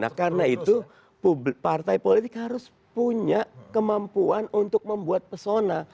nah karena itu partai politik harus punya kemampuan untuk membuat pesona